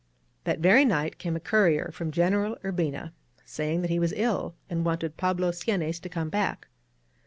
That very night came a courier from General Ur bina, saying that he was ill and wanted Pablo Seanes to come back.